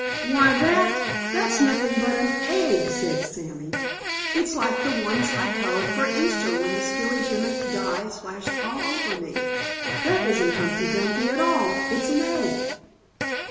"Why, that that's nothing but an egg!" said Sammie. "It's like the ones I colored for Easter when the skilli gimink dye splashed all over me. That isn't Humpty Dumpty at all it's an egg!"